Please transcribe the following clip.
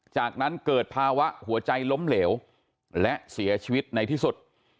จากนั้นเกิดภาวะหัวใจล้มเหลวและเสียชีวิตในที่สุด